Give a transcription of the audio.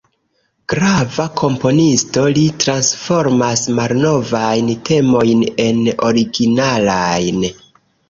Grava komponisto, li transformas malnovajn temojn en originalajn.